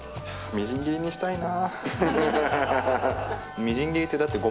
みじん切りにしたいな。